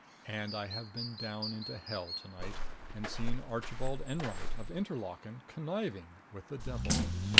And I have been down into hell, to night and seen Archibald Enwright, of Interlaken, conniving with the devil.